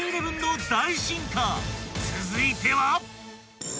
［続いては］